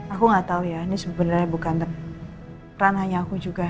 aku gak tahu ya ini sebenarnya bukan peran hanya aku juga